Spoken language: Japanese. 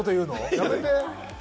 やめて。